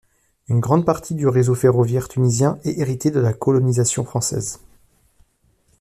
Une grande partie du réseau ferroviaire tunisien est héritée de la colonisation française.